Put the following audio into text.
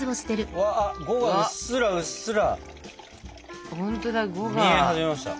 呉がうっすらうっすら見え始めました。